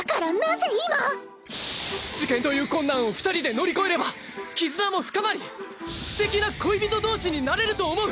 受験という困難を二人で乗り越えれば絆も深まりすてきな恋人同士になれると思う！